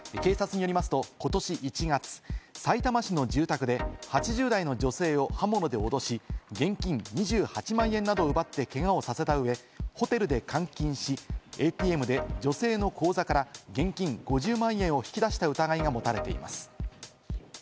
警察によりますとことし１月、さいたま市の住宅で８０代の女性を刃物で脅し、現金２８万円などを奪い、けがをさせたうえ、ホテルで監禁し、ＡＴＭから女性の口座から現金５０万円を引き出した疑いが持たれています。